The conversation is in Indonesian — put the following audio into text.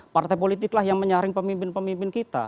partai politiklah yang menyaring pemimpin pemimpin kita